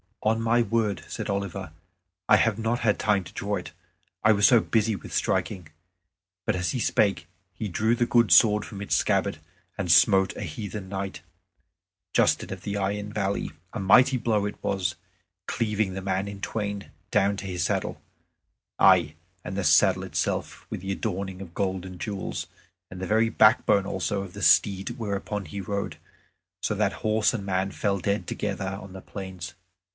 "On my word," said Oliver, "I have not had time to draw it; I was so busy with striking." But as he spake he drew the good sword from its scabbard, and smote a heathen knight, Justin of the Iron Valley. A mighty blow it was, cleaving the man in twain down to his saddle aye, and the saddle itself with its adorning of gold and jewels, and the very backbone also of the steed whereon he rode, so that horse and man fell dead together on the plains.